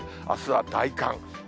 あすは大寒。